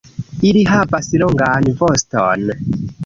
Ili havas longan voston.